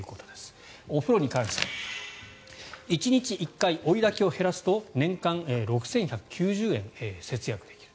お風呂に関して１日１回、追いだきを減らすと年間６１９０円節約できる。